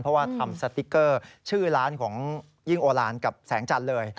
เพราะว่าทำสติ๊กเกอร์ชื่อร้านของยิ่งโอลานกับแสงจันทร์เลย